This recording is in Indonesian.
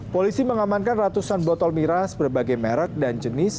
polisi mengamankan ratusan botol miras berbagai merek dan jenis